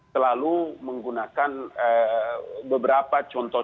selalu menggunakan beberapa contohnya